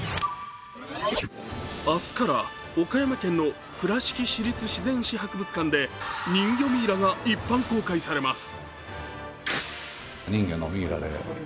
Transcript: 明日から岡山県の倉敷市立自然史博物館で人魚ミイラが一般公開されます。